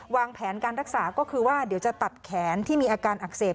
วางแผนการรักษาก็คือว่าเดี๋ยวจะตัดแขนที่มีอาการอักเสบ